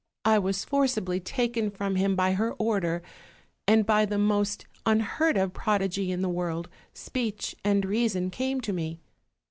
I was forcibly taken from him by her order; and by the most unheard of prodigy in the world, speech and reason came to me.